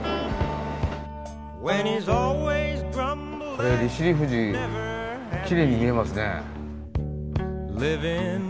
これ利尻富士きれいに見えますね。